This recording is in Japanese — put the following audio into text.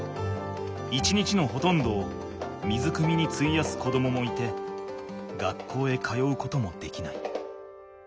一日のほとんどを水くみについやす子どももいて学校へ通うこともできない。